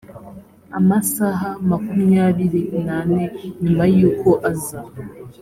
amasaha makumyabiri nane nyuma y uko aza